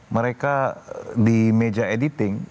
mereka di meja editing